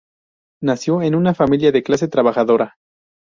Nació en una familia de clase trabajadora.